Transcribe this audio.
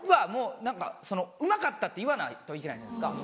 何か「うまかった」って言わないといけないじゃないですか。